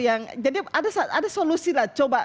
yang jadi ada solusi lah coba